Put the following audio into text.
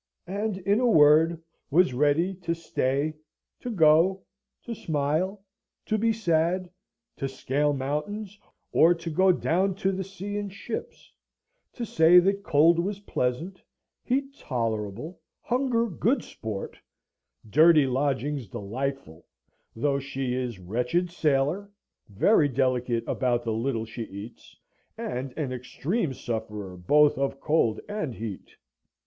and, in a word, was ready to stay, to go, to smile, to be sad; to scale mountains, or to go down to the sea in ships; to say that cold was pleasant, heat tolerable, hunger good sport, dirty lodgings delightful; though she is wretched sailor, very delicate about the little she eats, and an extreme sufferer both of cold and heat.